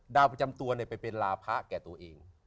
ดาวประจำตัวเนี่ยเป็นราพะแก่ตัวเอง